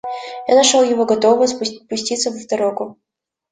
Я нашел его готового пуститься в дорогу.